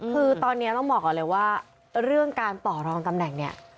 คือตอนนี้ต้องบอกก่อนเลยว่าเรื่องการต่อรองตำแหน่งเนี่ย